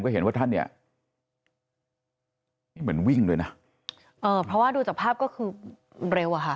ก็เห็นว่าท่านเนี่ยนี่เหมือนวิ่งเลยนะเอ่อเพราะว่าดูจากภาพก็คือเร็วอะค่ะ